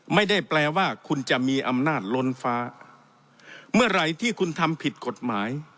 ไม่ได้แปลว่าคุณจะมีอำนาจล้นฟ้าเมื่อไหร่ที่คุณทำผิดกฎหมาย